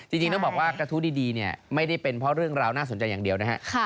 จริงต้องบอกว่ากระทู้ดีเนี่ยไม่ได้เป็นเพราะเรื่องราวน่าสนใจอย่างเดียวนะฮะ